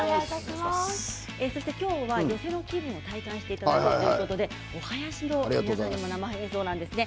そして今日は寄席の気分を体感していただこうということでお囃子の方も生演奏なんですね。